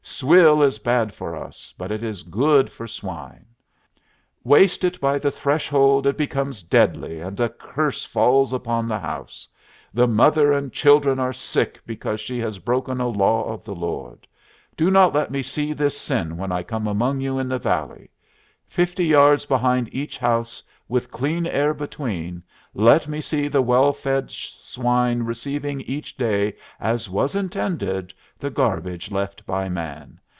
Swill is bad for us, but it is good for swine. Waste it by the threshold it becomes deadly, and a curse falls upon the house. The mother and children are sick because she has broken a law of the Lord. Do not let me see this sin when I come among you in the valley. Fifty yards behind each house, with clean air between, let me see the well fed swine receiving each day, as was intended, the garbage left by man.